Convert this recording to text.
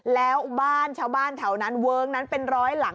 แล้วบ้านชาวบ้านแถวนั้นเวิ้งนั้นเป็นร้อยหลัง